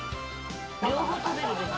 両方食べるべき。